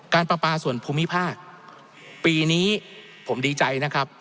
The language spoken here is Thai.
ประปาส่วนภูมิภาคปีนี้ผมดีใจนะครับ